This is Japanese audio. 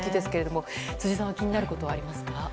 辻さんは気になることありますか。